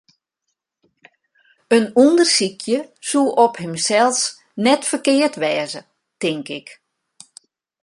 In ûndersykje soe op himsels net ferkeard wêze, tink ik.